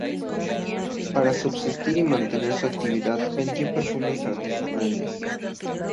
Para subsistir y mantener su actividad, vendió perfumes artesanales.